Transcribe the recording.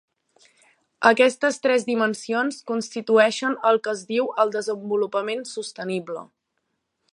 Aquestes tres dimensions constitueixen el que es diu el desenvolupament sostenible.